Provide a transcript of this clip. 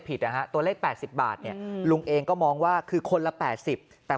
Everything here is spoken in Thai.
นะฮะตัวเลข๘๐บาทเนี่ยลุงเองก็มองว่าคือคนละ๘๐แต่